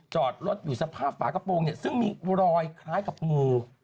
จอดรถอยู่สภาพฝากระโปรงเนี่ยซึ่งมีรอยคล้ายกับงู